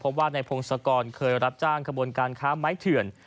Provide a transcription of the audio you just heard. เพราะว่านายพงศกรเคยรับจ้างขบวนการค้าไม้เถื่อน